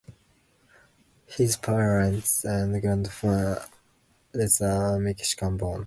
His parents and grandparents are Mexican-born.